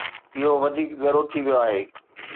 اهو وڌيڪ ڳرو ٿي ويو آهي.